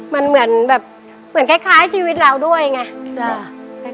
มันเหมือนแบบเหมือนคล้ายชีวิตเราด้วยไง